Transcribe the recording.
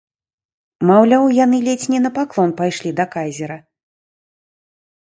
Маўляў, яны ледзь не на паклон пайшлі да кайзера.